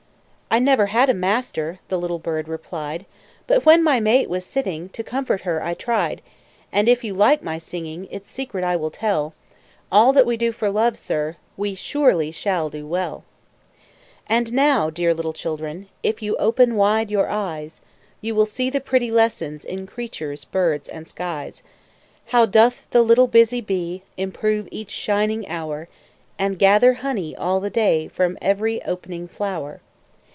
"I never had a master," The little bird replied; "But when my mate was sitting, To comfort her I tried; "And if you like my singing, Its secret I will tell All that we do for love, sir, We surely shall do well." And now, dear little children, If you open wide your eyes, You will see the pretty lessons In creatures, birds, and skies. How doth the little busy bee Improve each shining hour, And gather honey all the day From every opening flower!